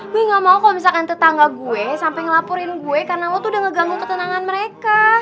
gue gak mau kalau misalkan tetangga gue sampai ngelaporin gue karena aku tuh udah ngeganggu ketenangan mereka